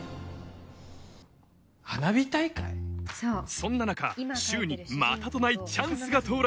そんな中柊にまたとないチャンスが到来